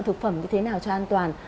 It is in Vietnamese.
thực phẩm như thế nào cho an toàn